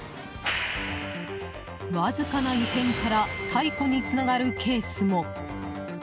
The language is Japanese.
わずかな異変から逮捕につながるケースも。